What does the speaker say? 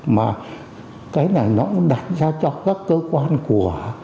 mà cái này nó cũng đặt ra cho các cơ quan của